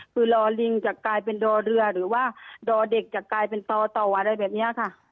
คือรอลิงจะกลายเป็นดอเรือหรือว่าดอเด็กจะกลายเป็นต่อต่ออะไรแบบนี้ค่ะ